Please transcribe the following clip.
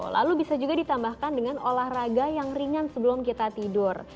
lalu bisa juga ditambahkan dengan olahraga yang ringan sebelum kita tidur